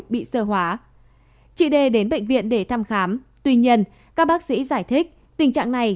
bị sơ hóa chị đê đến bệnh viện để thăm khám tuy nhiên các bác sĩ giải thích tình trạng này